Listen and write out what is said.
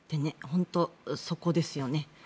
本当、そこですよね。